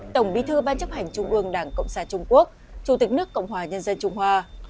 tổng bí thư ban chấp hành trung ương đảng cộng sản trung quốc chủ tịch nước cộng hòa nhân dân trung hoa